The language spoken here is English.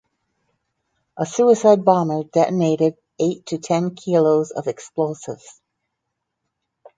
A suicide bomber detonated eight to ten kilos of explosives.